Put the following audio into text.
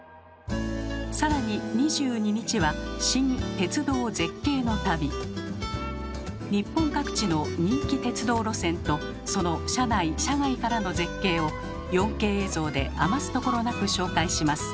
更に日本各地の人気鉄道路線とその車内・車外からの絶景を４Ｋ映像で余すところなく紹介します。